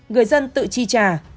người dân tự tri trả